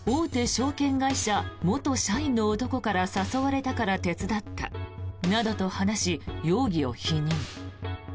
証券会社元社員の男から誘われたから手伝ったなどと話し容疑を否認。